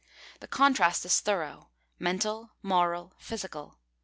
The contrast is thorough mental, moral, physical.